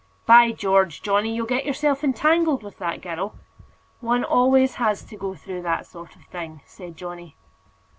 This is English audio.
"By George, Johnny, you'll get yourself entangled with that girl." "One always has to go through that sort of thing," said Johnny.